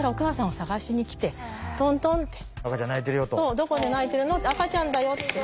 どこで泣いてるのって赤ちゃんだよって。